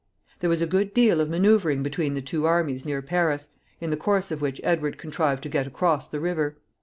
There was a good deal of manoeuvring between the two armies near Paris, in the course of which Edward contrived to get across the river.